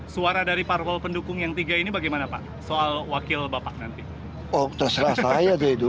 suara dari parpol pendukung yang tiga ini bagaimana pak soal wakil bapak nanti oh betul